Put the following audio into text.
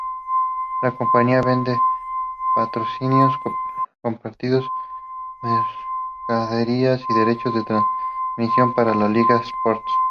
La compañía vende patrocinios corporativos, mercaderías y derechos de transmisión para su liga eSports.